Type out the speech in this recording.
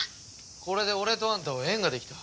これで俺とあんたは縁ができた。